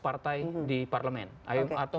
partai di parlemen atau